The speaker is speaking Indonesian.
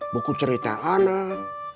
buku cerita anak